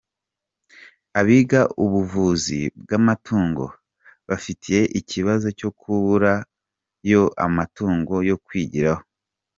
Abiga ubuvuzi bw’amatungo bafite ikibazo cyo kubura yo amatungo yo kwigiraho